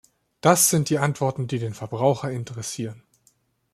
Das sind die Antworten, die den Verbraucher interessieren.